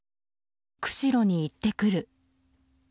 釧路に行ってくる。